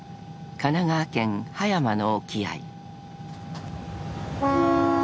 ［神奈川県葉山の沖合］